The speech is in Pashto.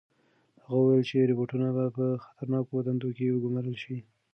هغه وویل چې روبوټونه به په خطرناکو دندو کې وګمارل شي.